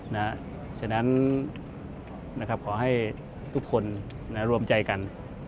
เพราะฉะนั้นขอให้ทุกคนรวมใจกัน